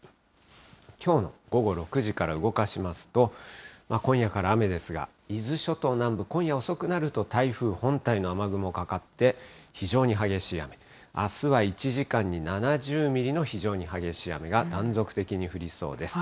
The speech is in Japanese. きょうの午後６時から動かしますと、今夜から雨ですが、伊豆諸島南部、今夜遅くなると、台風本体の雨雲かかって、非常に激しい雨、あすは１時間に７０ミリの非常に激しい雨が断続的に降りそうです。